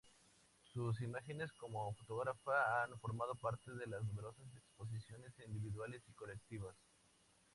Sus imágenes como fotógrafa han formado parte de numerosas exposiciones individuales y colectivas.